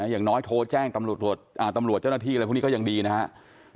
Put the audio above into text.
อย่างน้อยโทรแจ้งตำรวจเจ้าหน้าที่อะไรพวกนี้ก็ยังดีนะครับ